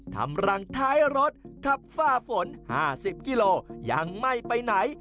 ทำรังท้ายรถขับฝ้าฝน๕๐กิโลยังไม่ไปไหน